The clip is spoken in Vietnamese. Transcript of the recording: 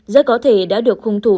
rất có thể đã được khung thủ